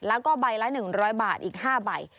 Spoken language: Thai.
แล้วก็ใบละ๑๐๐บาทอีก๕ใบ